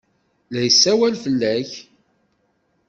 La yessawal fell-ak.